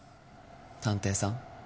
探偵さん。